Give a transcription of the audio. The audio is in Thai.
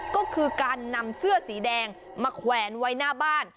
ก็คือการนำเสื้อสีแดงมาแขวนไว้หน้าบ้าน